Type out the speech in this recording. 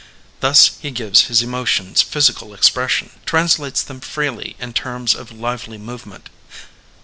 Thus he gives his emotions physi cal expression, translates them freely in terms of lively movement.